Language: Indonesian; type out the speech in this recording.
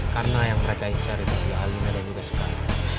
karena yang mereka cari adalah alina dan juga sekarang